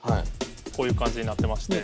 こういう感じになってまして。